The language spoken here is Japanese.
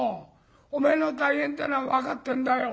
おめえの大変ってえのは分かってんだよ。